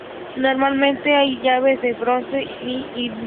Normalmente hay dos llaves de bronce, "mi" y "do".